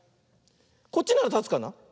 こっちならたつかな。